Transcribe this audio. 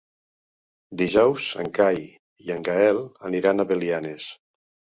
Dijous en Cai i en Gaël aniran a Belianes.